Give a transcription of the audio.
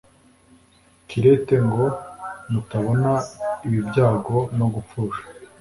kirete ngo mutabona ibi byago no gupfusha